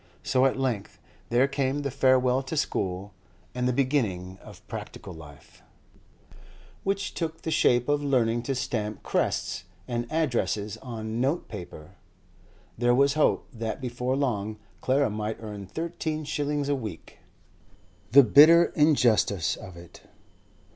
So at length there came the farewell to school and the beginning of practical life, which took the shape of learning to stamp crests and addresses on note paper. There was hope that before long Clara might earn thirteen shillings a week. The bitter injustice of it!